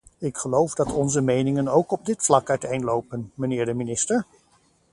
Ik geloof dat onze meningen ook op dit vlak uiteenlopen, mijnheer de minister.